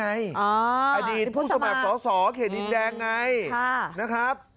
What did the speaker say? อ่านี่พูดมาของสอเขดินแดงไงค่ะนะครับ